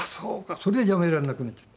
それでやめられなくなっちゃった。